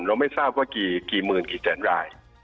ไม่ทราบว่ากี่หมื่นกี่แสนราย